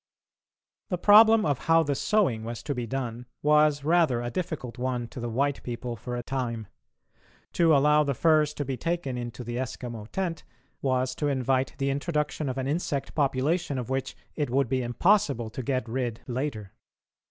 The problem of how the sewing was to be done was rather a difficult one to the white people for a time. To allow the furs to be taken into the Eskimo tent was to invite the introduction of an insect population of which it would be impossible to get rid later.